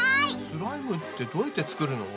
スライムってどうやって作るの？